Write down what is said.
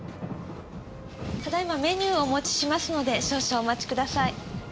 ただいまメニューをお持ちしますので少々お待ちください。